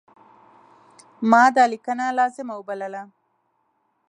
ما دا لیکنه لازمه وبلله.